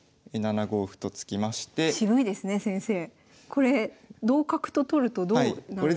これ同角と取るとどうなるんですか？